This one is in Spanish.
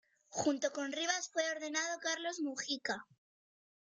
Junto con Rivas fue ordenado Carlos Mugica.